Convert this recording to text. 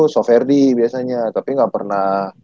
soferdi biasanya tapi gak pernah